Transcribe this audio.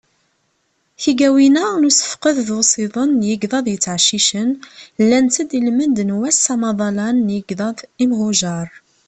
Tigawin-a n usefqed d usiḍen n yigḍaḍ yettɛeccicen, llant-d i lmend n wass amaḍalan n yigḍaḍ imhujar.